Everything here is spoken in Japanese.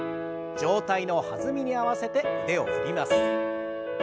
上体の弾みに合わせて腕を振ります。